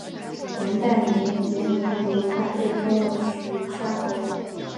元延元年刘快被封为徐乡侯。